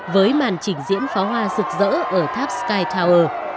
với màn trình diễn pháo hoa rực rỡ ở tháp sky tower